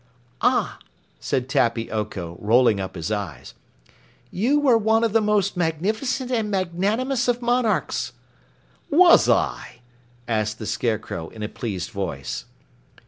"Ah!" said Tappy Oko, rolling up his eyes, "You were one of the most magnificent and magnanimous of monarchs." "Was I?" asked the Scarecrow in a pleased voice.